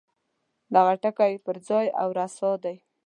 دغه ټکی پر ځای او رسا دی.